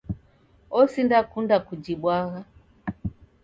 Osindakunda kujibwagha